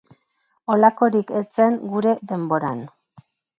Holakorik ez zen gure denboran.